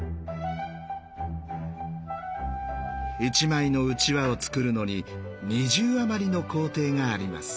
１枚のうちわを作るのに２０余りの工程があります。